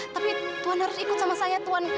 tapi tuhan harus ikut sama saya tuan